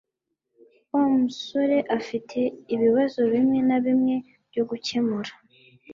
wa musoreafite ibibazo bimwe na bimwe byo gukemura.